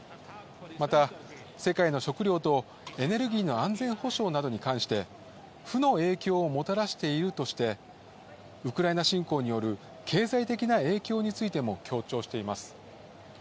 また、世界の食料とエネルギーの安全保障などに関して負の影響をもたらしているとして、ウクライナ侵攻による経済的な影響についても強調しています。